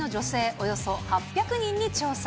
およそ８００人に調査。